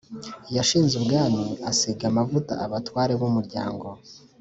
yashinze ubwami, asiga amavuta abatware b’umuryango.